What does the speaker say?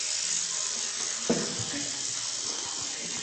এটি তার লম্বা এবং তীক্ষ্ণ আর্কিটেকচারের দ্বারা চিহ্নিত।